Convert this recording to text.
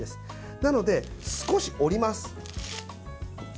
なので、少し折ります。